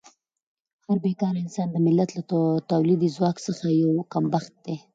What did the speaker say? هر بېکاره انسان د ملت له تولیدي ځواک څخه یو کمښت دی.